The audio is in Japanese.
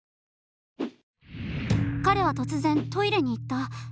彼は突然トイレに行った。